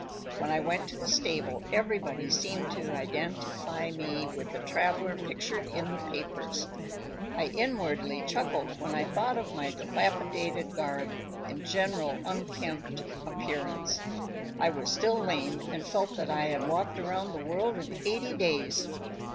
When I went to the stable everybody seemed to identify me with the traveler pictured in the papers. I inwardly chuckled when I thought of my dilapidated garb and general unkempt appearance. I was still lame and felt that I had walked around the world in eighty days.